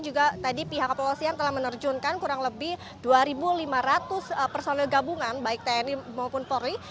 juga tadi pihak kepolisian telah menerjunkan kurang lebih dua lima ratus personil gabungan baik tni maupun polri